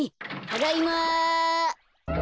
ただいま。